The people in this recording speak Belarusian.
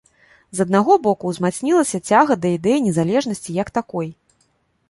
З аднаго боку, узмацнілася цяга да ідэі незалежнасці як такой.